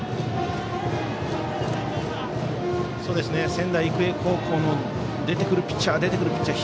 仙台育英高校も出てくるピッチャー出てくるピッチャー